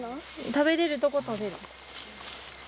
食べられるところ食べる。